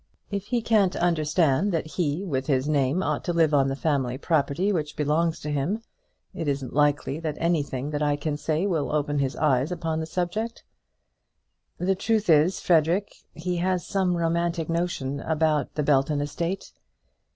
If he can't understand that he, with his name, ought to live on the family property which belongs to him, it isn't likely that anything that I can say will open his eyes upon the subject." "The truth is, Frederic, he has some romantic notion about the Belton estate."